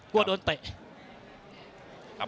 กลัวโดนเตะ